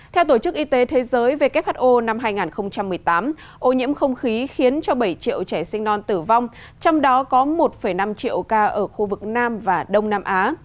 theo tổ chức y tế thế giới who năm hai nghìn một mươi tám ô nhiễm không khí khiến cho bảy triệu trẻ sinh non tử vong trong đó có một năm triệu ca ở khu vực nam và đông nam á